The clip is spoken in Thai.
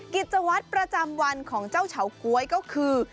กิจวัตรประจำวันของเจ้าเฉาก๊วยก็คือ